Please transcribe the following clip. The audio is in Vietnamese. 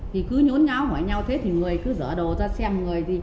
thì cứ nhốn nháo ngoài nhau thế thì người cứ dỡ đồ ra xem người